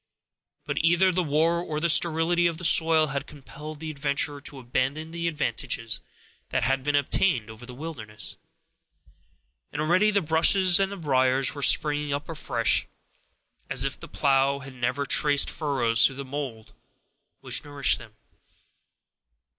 But either the war or the sterility of the soil had compelled the adventurer to abandon the advantages that he had obtained over the wilderness, and already the bushes and briers were springing up afresh, as if the plow had never traced furrows through the mold which nourished them.